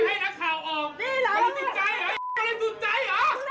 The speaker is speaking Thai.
มาลาเรียนทีกว่าแล้วมั้ย